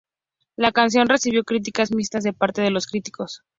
La canción recibió críticas mixtas de parte de los críticos.